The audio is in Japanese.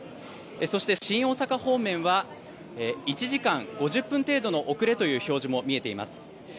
そして新大阪方面は１時間５０分程度の遅れという表示も見えています。